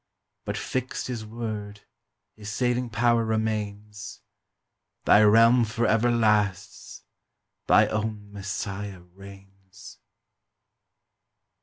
But fixed his word, his saving power remains; Thy realm for ever lasts, thy own Messiah reigns!